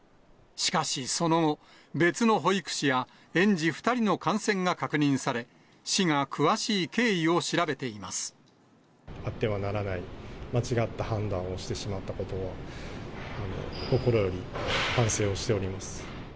しかしその後、別の保育士や園児２人の感染が確認され、市が詳しい経緯を調べてあってはならない、間違った判断をしてしまったことを心より反省をしております。